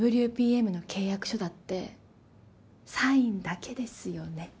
ＷＰＭの契約書だってサインだけですよね？